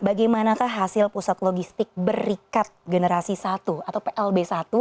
bagaimanakah hasil pusat logistik berikat generasi satu atau plb satu